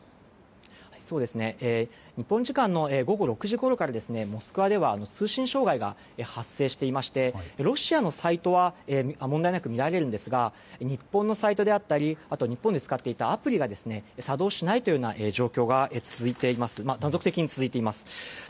日本時間の午後６時ごろからモスクワでは通信障害が発生していましてロシアのサイトは問題なく見られるんですが日本のサイトであったり日本で使っていたアプリが作動しないという状況が断続的に続いています。